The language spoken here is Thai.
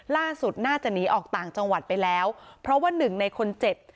ล่าสุดน่าจะหนีออกต่างจังหวัดไปแล้วเพราะว่าหนึ่งในคนเจ็บ